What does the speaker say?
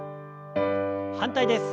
反対です。